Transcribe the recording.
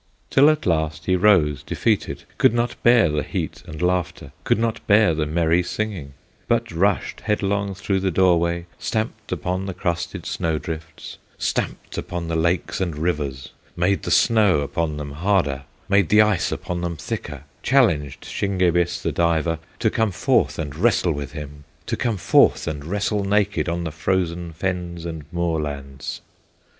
Till at last he rose defeated, Could not bear the heat and laughter, Could not bear the merry singing, But rushed headlong through the door way, Stamped upon the crusted snow drifts, Stamped upon the lakes and rivers, Made the snow upon them harder, Made the ice upon them thicker, Challenged Shingebis, the diver, To come forth and wrestle with him, To come forth and wrestle naked On the frozen fens and moorlands.